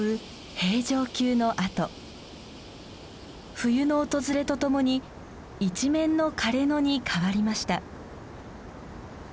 冬の訪れとともに一面の枯れ野に変わりました。